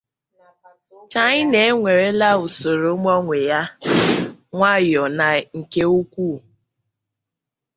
China ewerela usoro mgbanwe ya nwayọ na nke ukwuu.